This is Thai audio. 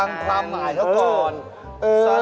ฟังความหมายเท่าก่อน